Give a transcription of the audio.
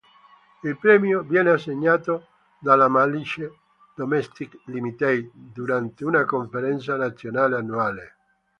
Il premio viene assegnato dalla Malice Domestic Ltd durante una conferenza nazionale annuale.